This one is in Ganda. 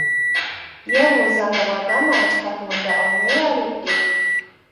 Yeebuuza nga bwagamba nti katonda onneerabidde?